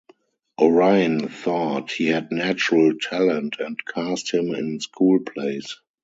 O'Ryan thought he had natural talent and cast him in school plays.